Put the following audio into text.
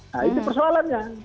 nah itu persoalannya